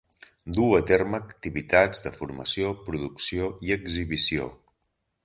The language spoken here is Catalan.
Duu a terme activitats de formació, producció i exhibició.